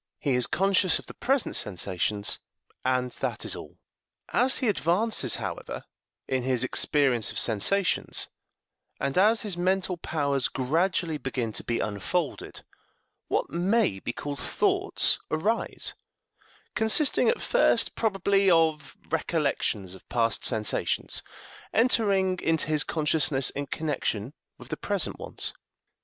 He is conscious of the present sensations, and that is all. As he advances, however, in his experience of sensations, and as his mental powers gradually begin to be unfolded, what may be called thoughts arise, consisting at first, probably, of recollections of past sensations entering into his consciousness in connection with the present ones.